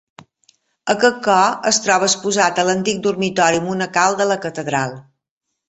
Aquest cor es troba exposat a l'antic dormitori monacal de la catedral.